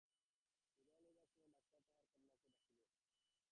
বিদায় লইবার সময় ডাক্তার তাঁহার কন্যাকে ডাকিলেন।